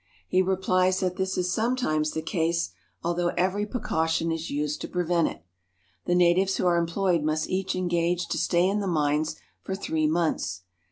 He replies that this is sometimes the case, although every precaution is used to prevent it. The natives who are employed must each engage to stay in the mines for three months.